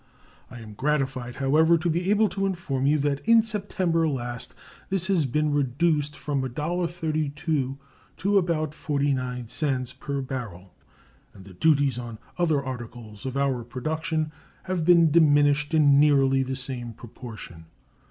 I am gratified, however, to be able to inform you that in September last this has been reduced from $1.32 to about 49 cents per barrel, and the duties on other articles of our production have been diminished in nearly the same proportion.